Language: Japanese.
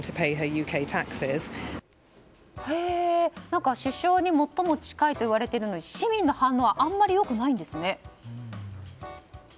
何か、首相に最も近いと言われているのに市民の反応はあまり良くないんですね。